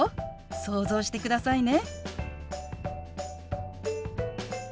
想像してくださいね。